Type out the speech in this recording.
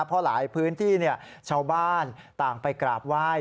เพราะหลายพื้นที่ชาวบ้านต่างไปกราบไหว้